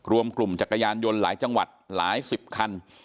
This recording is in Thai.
รวมกลุ่มจักรยานยนต์หลายจังหวัดหลายสิบคัน